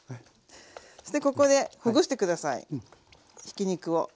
そしてここでほぐして下さいひき肉を。